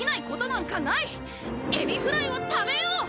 エビフライを食べよう！